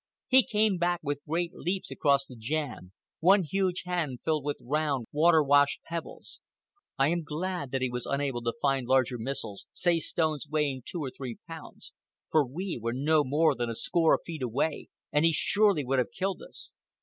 He came back with great leaps across the jam, one huge hand filled with round, water washed pebbles. I am glad that he was unable to find larger missiles, say stones weighing two or three pounds, for we were no more than a score of feet away, and he surely would have killed us.